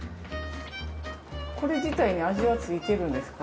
これ自体に味はついてるんですか？